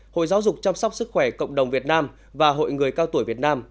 hội giáo dục chăm sóc sức khỏe cộng đồng việt nam và hội người cao tuổi việt nam